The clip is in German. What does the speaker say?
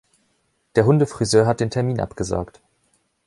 Der Hundefriseur hat den Termin abgesagt.